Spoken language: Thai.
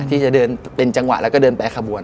ที่จะเดินเป็นจังหวะแล้วก็เดินไปขบวน